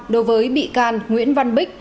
đối với bị can nguyễn văn bích